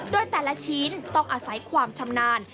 โดยแต่ละชิ้นต้องอาศัยความชำนาญ